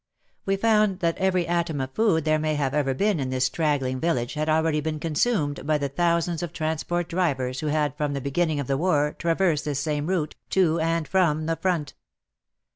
We found that every atom of food there may ever have been in this straggling village had already been consumed by the thousands of transport drivers who had from the beginning of the war traversed this same route to and from the front.